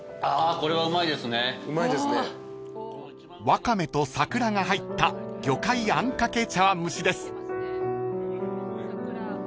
［ワカメと桜が入った魚介あんかけ茶わん蒸しです］